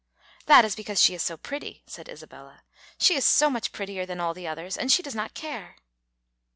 "That is because she is so pretty," said Isabella. "She is so much prettier than all the others, and she does not care."